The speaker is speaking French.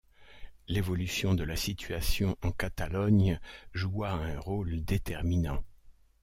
L'évolution de la situation en Catalogne joua un rôle déterminant.